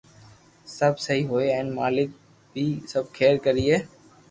سب سھي ھوئي ھين مالڪ بي سب کير ڪرئي